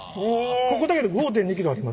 ここだけで５．２ｋｇありますんで。